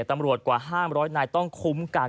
อำรวจกว่าห้ามร้อยนายต้องคุ้มกัน